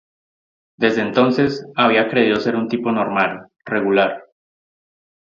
Desde entonces, había creído ser un tipo normal, regular.